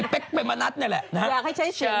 อีเป๊กไปมานัดเนี่ยแหละนะฮะ